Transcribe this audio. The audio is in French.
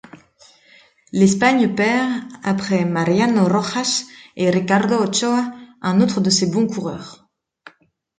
L'Espagne perd, après Mariano Rojas et Ricardo Otxoa, un autre de ses bons coureurs.